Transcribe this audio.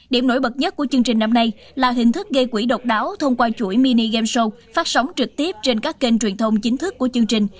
điểm nổi bật nhất của chương trình năm nay là hình thức gây quỹ độc đáo thông qua chuỗi mini game show phát sóng trực tiếp trên các kênh truyền thông chính thức của chương trình